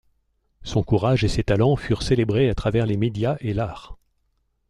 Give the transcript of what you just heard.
Son courage et ses talents furent célébrés à travers les médias et l'art.